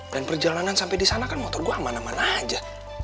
dan perjalanan sampe disana kan motor gua aman aman aja